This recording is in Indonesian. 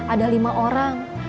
ada lima orang